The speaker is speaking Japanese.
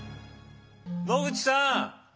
野口さん。